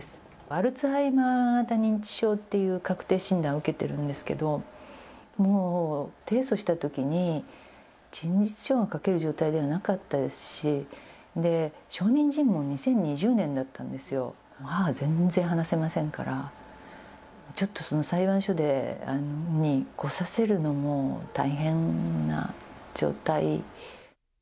アルツハイマー型認知症っていう確定診断受けてるんですけど、もう提訴したときに、陳述書も書けるような状態ではなかったですし、で、証人尋問、２０２０年だったんですよ、母、もう全然話せませんから、ちょっとその裁判所に来させるのも大変な状態。